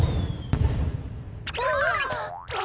わあ！